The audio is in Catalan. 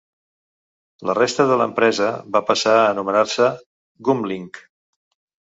La resta de l'empresa va passar a anomenar-se Gumlink.